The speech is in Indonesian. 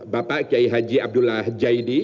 bapak kiai haji abdullah jaidi